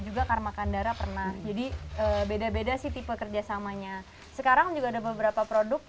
juga karma kandara pernah jadi beda beda sih tipe kerjasamanya sekarang juga ada beberapa produk